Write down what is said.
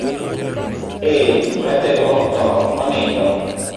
Eee, ratego ok thoo, onindo.